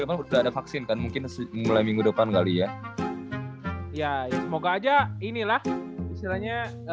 emang udah ada vaksin kan mungkin mulai minggu depan kali ya ya semoga aja inilah istilahnya